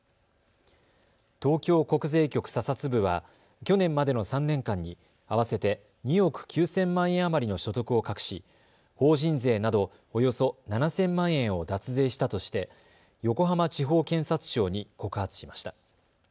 東京国税局査察部は去年までの３年間に合わせて２億９０００万円余りの所得を隠し、法人税などおよそ７０００万円を脱税したとして横浜地方検察庁に告発しました。